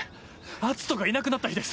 篤斗がいなくなった日です